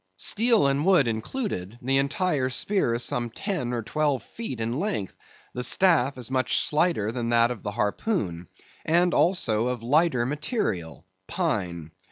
Steel and wood included, the entire spear is some ten or twelve feet in length; the staff is much slighter than that of the harpoon, and also of a lighter material—pine.